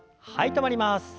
止まります。